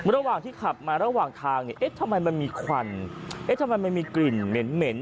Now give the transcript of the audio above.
ระหว่างที่ขับมาระหว่างทางเนี่ยเอ๊ะทำไมมันมีควันเอ๊ะทำไมมันมีกลิ่นเหม็นเหม็น